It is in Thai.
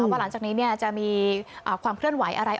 ว่าหลังจากนี้จะมีความเคลื่อนไหวอะไร